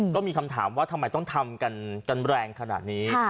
ก็มีคำถามว่าทำไมต้องทำกันแรงขนาดนี้